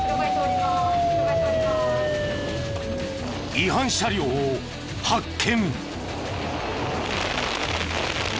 違反車両を発見。